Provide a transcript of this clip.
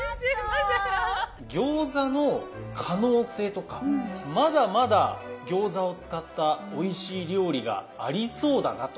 餃子の可能性とかまだまだ餃子を使ったおいしい料理がありそうだなと。